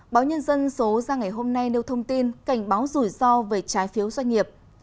báo nhân dân số ra ngày hôm nay nêu thông tin cảnh báo rủi ro về trái phiếu doanh nghiệp